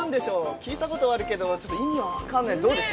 聞いたことはあるけど、ちょっと意味はわからない、どうです？